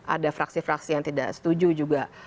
ada fraksi fraksi yang tidak setuju juga